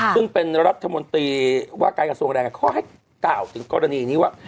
ซึ่งเป็นรัฐมนตรีว่าการกระทรวงแรงงานเขาให้กล่าวถึงกรณีนี้ว่า